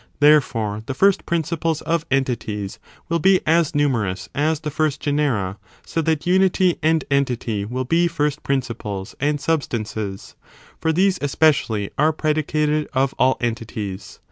Therefore, the first principles of entities will be as numerous as the first genera ; so that unity and entity will be first principles and substances : for these especially are predicated of all entities.